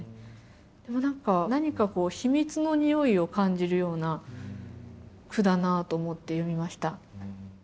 でも何か何か秘密のにおいを感じるような句だなと思って読みました。